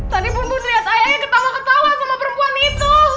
tadi bun bun liat ai ai ketawa ketawa sama perempuan itu